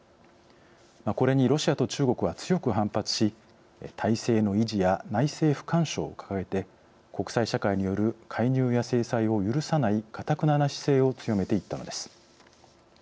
これにロシアと中国は強く反発し体制の維持や内政不干渉を掲げて国際社会による介入や制裁を許さないかたくなな姿勢を強めていったのです。